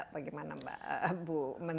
bagaimana mbak bu